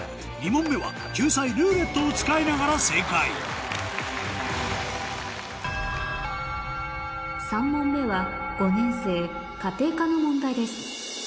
２問目は救済「ルーレット」を使いながら正解３問目は５年生家庭科の問題です